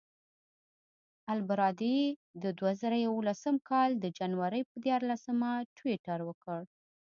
البرادعي د دوه زره یولسم کال د جنورۍ پر دیارلسمه ټویټر وکړ.